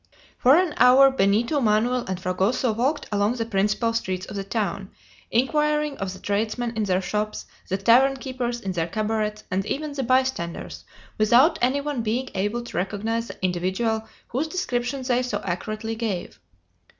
For an hour Benito, Manoel, and Fragoso walked along the principal streets of the town, inquiring of the tradesmen in their shops, the tavern keepers in their cabarets, and even the bystanders, without any one being able to recognize the individual whose description they so accurately gave.